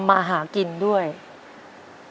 แล้วเขาก็พยายามที่จะช่วยเหลือครอบครัวทำมาหากินด้วย